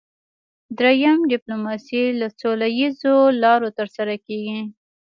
دریم ډیپلوماسي له سوله اییزو لارو ترسره کیږي